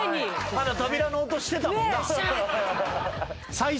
まだ扉の音してたもんな。